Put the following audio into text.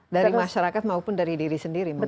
dari masyarakat maupun dari diri sendiri